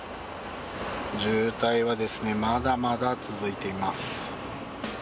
渋滞はまだまだ続いています。